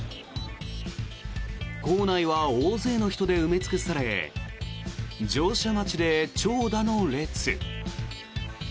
構内は大勢の人で埋め尽くされ乗車待ちで長蛇の列。